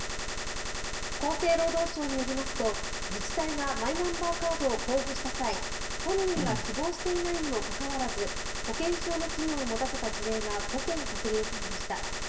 厚生労働省によりますと自治体がマイナンバーカードを交付した際本人が希望していないにもかかわらず保険証の機能を持たせた事例が５件確認されました。